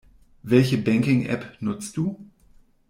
Welche Banking-App nutzt du?